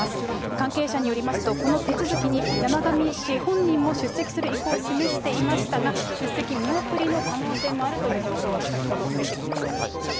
関係者によりますと、この手続きに山上氏本人も出席する意向を示していましたが、出席見送りの可能性もあるという情報が先ほど入ってきました。